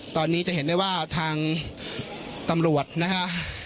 ตอนนี้จะเห็นได้ว่าทางตำรวจนะฮะ